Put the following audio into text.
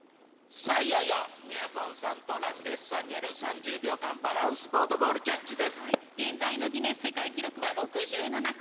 さあ、いよいよみやぞんさんとラミレスさんによる３０秒間バランスボー現在のギネス世界記録は６７個。